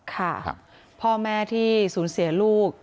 ค่ะพ่อแม่ที่สูญเสียลูก